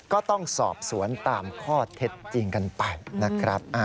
ก็ต้องสอบสวนตามข้อเท็จจริงกันไปนะครับ